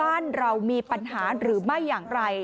สองสามีภรรยาคู่นี้มีอาชีพ